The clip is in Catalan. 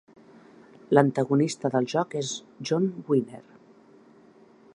L'antagonista del joc és John Winner.